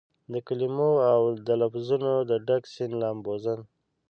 دکلمو اودلفظونو دډک سیند لامبوزن